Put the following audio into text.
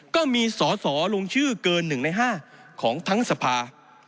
ก็มีสอสอลงชื่อเกิน๑ใน๕ของทั้งสภา